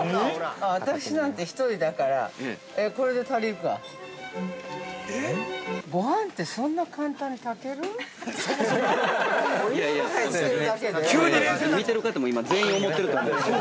◆私なんて１人だからこれで足りるかごはんってそんな簡単に炊ける？◆見てる方も今全員思ってると思います。